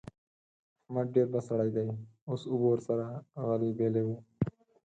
احمد ډېر بد سړی دی؛ اوس اوبه ور سره غلبېلوو.